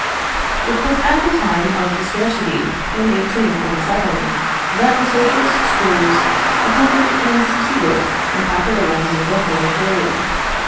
It was at the time of the scarcity, in 1847, that the Socialist schools attempted and succeeded in popularizing their fatal theory.